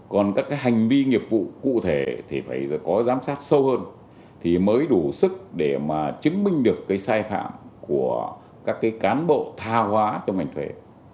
còn các cái hành vi nghiệp vụ cụ thể thì phải có giám sát sâu hơn thì mới đủ sức để mà chứng minh được cái sai phạm của các cái cán bộ tha hóa trong ngành thuế